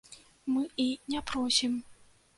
Мы і не просім.